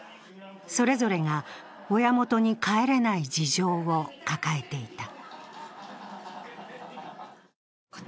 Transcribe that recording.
それぞれが親元に帰れない事情を抱えていた。